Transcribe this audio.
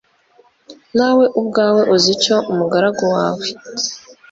nawe ubwawe uzi icyo umugaragu wawe